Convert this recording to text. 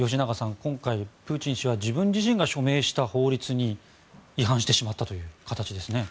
今回プーチン氏は自分自身が署名した法律に違反してしまったという形ですね。